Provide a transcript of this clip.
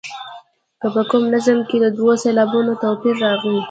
که په کوم نظم کې د دوو سېلابونو توپیر راغلی.